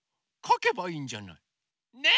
かけばいいんじゃない。ね！